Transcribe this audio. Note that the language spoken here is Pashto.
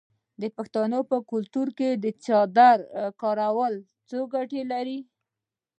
د پښتنو په کلتور کې د څادر کارول څو ګټې لري.